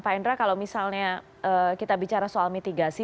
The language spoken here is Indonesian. pak hendra kalau misalnya kita bicara soal mitigasi